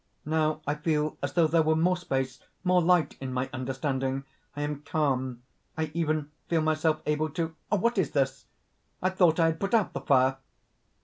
Now I feel as though there were more space, more light in my understanding. I am calm. I even feel myself able to.... What is this? I thought I had put out the fire!"